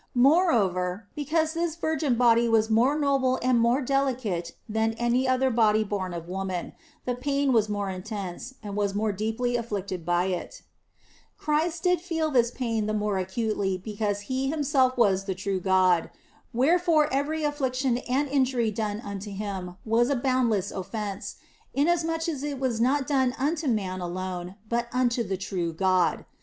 Moreover, because this virgin body was more noble and more delicate than any other body born of woman, the pain was more intense, and it was more deeply afflicted by it, F 82 THE BLESSED ANGELA Christ did feel this pain the more acutely because He Himself was the true God ; wherefore every affliction and injury done unto Him was a boundless offence, inas much as it was not done unto man alone, but unto the true God.